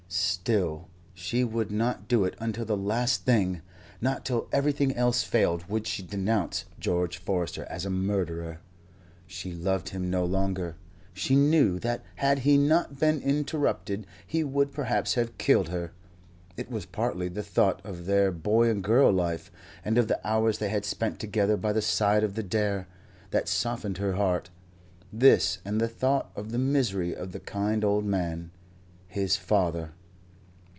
Still she would not do it until the last thing; not till everything else failed would she denounce George Forester as a murderer. She loved him no longer; she knew that had he not been interrupted he would perhaps have killed her. It was partly the thought of their boy and girl life, and of the hours they had spent together by the side of the Dare, that softened her heart; this and the thought of the misery of the kind old man, his father.